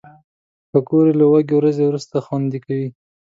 پکورې له وږې ورځې وروسته خوند کوي